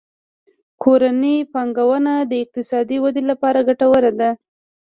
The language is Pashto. کورنۍ پانګونه د اقتصادي ودې لپاره ګټوره ده.